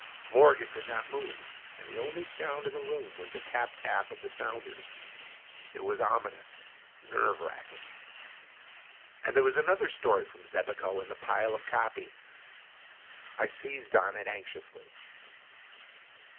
Morgan did not move, and the only sound in the room was the tap tap of the sounders. It was ominous, nerve racking. There was another story from Xebico in the pile of copy. I seized on it anxiously.